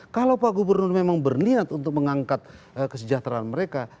kalau pak gubernur memang berniat untuk mengangkat kesejahteraan mereka